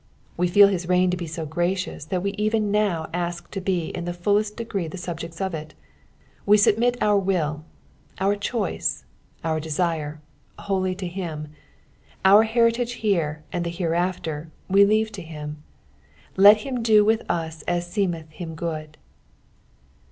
We feel his reign to be so gracious that we even now ask to be in the fullest degree the subjects of it. We submit our will, our choice, our desire, wholly to him. Our heritage here and hereafter nc leave to him, let him do with us as seemelh him good.